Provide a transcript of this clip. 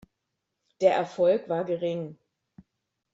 Der Erfolg war gering.